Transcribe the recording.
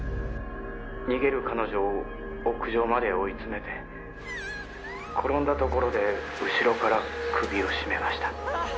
「逃げる彼女を屋上まで追い詰めて転んだところで後ろから首を絞めました」